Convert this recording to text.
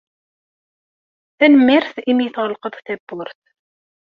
Tanemmirt imi ay tɣelqeḍ tawwurt.